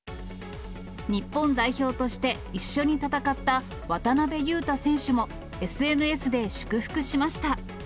日本代表として、一緒に戦った渡邊雄太選手もＳＮＳで祝福しました。